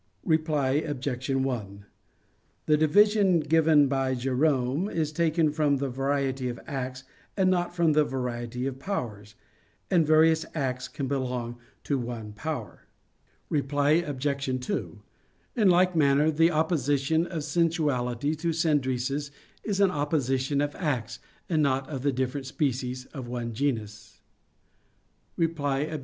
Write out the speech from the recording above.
Reply Obj. 1: The division given by Jerome is taken from the variety of acts, and not from the variety of powers; and various acts can belong to one power. Reply Obj. 2: In like manner, the opposition of sensuality to "syneresis" is an opposition of acts, and not of the different species of one genus. Reply Obj.